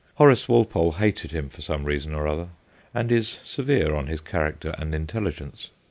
Horace Walpole hated him for some reason or other, and is severe on his character and intelligence.